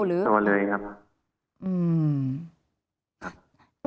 เล็งตัวเลยครับ